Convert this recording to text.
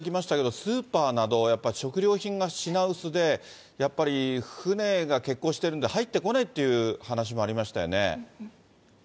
それからきのうもリポートしていただきましたけれども、スーパーなど、やっぱり食料品が品薄で、やっぱり船が欠航してるんで入ってこないという話もありましたよ